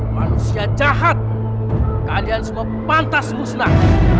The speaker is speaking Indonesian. manusia jahat keadaan semua pantas musnah